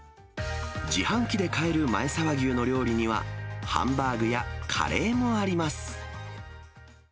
自販機で買える前沢牛の料理には、ハンバーグやカレーもあります。